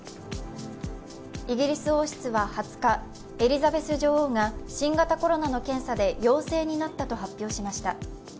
イギリス王室は２０日、エリザベス女王が新型コロナの検査で陽性になったと発表しました。